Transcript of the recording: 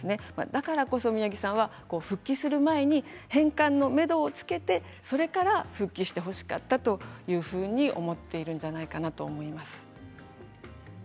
だからこそ、宮城さんは復帰する前に返還のめどをつけてそれから復帰してほしかったというふうに思っているんじゃないかなと思います。